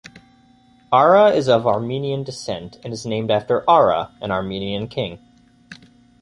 Ara is of Armenian descent, and is named after Ara, an Armenian king.